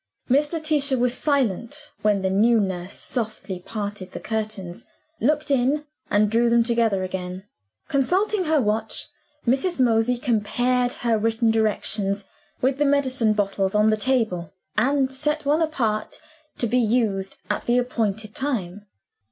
Miss Letitia was silent, when the new nurse softly parted the curtains looked in and drew them together again. Consulting her watch, Mrs. Mosey compared her written directions with the medicine bottles on the table, and set one apart to be used at the appointed time.